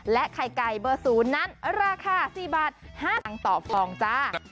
และไข่ไก่เบอร์ศูนย์นั้นราคา๔บาท๕๕บาทต่อกิโลกรัมค่ะ